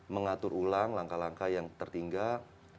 mengatur ulang langkah langkah yang tertinggal